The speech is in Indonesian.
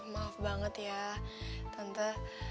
maaf banget ya tante